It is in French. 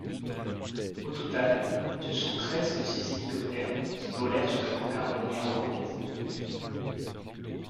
Au total ce sont treize de ces hélicoptères qui volèrent sous la cocarde néerlandaise.